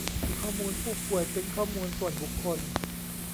ข้อมูลผู้ป่วยเป็นข้อมูลส่วนบุคคล